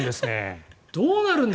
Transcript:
どうなるんだ？